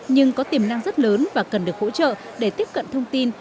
nhưng có tiềm năng rất lớn và cần được hỗ trợ để tiếp cận thông tin